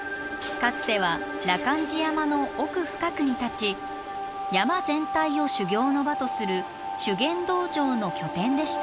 かつては羅漢寺山の奥深くに建ち山全体を修行の場とする修験道場の拠点でした。